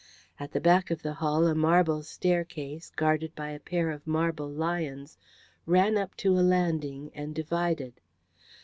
At the back of the hall a marble staircase, guarded by a pair of marble lions, ran up to a landing and divided.